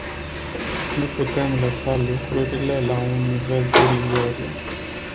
Nu putem lăsa lucrurile la un nivel derizoriu.